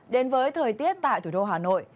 đến với thời tiết tại thủ đô hà nội